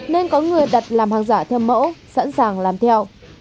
nên có người đặt làm hàng giả theo mẫu sẵn sàng làm theo